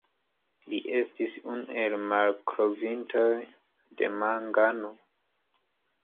Li estis unu el malkovrintoj de mangano.